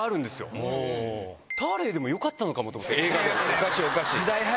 おかしいおかしい！